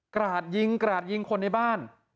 ราดยิงกราดยิงคนในบ้าน